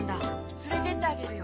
つれてってあげるよ。